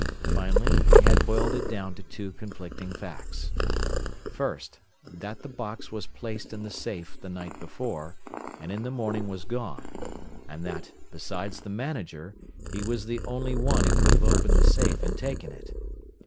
Finally he had boiled it down to two conflicting facts: "First: That the box was placed in the safe the night before, and in the morning was gone; and that, besides the manager, he was the only one who could have opened the safe and taken it.